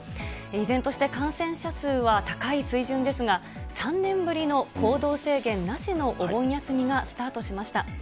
依然として感染者数は高い水準ですが、３年ぶりの行動制限なしのお盆休みがスタートしました。